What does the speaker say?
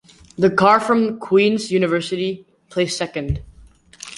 The car from Queen's University placed second.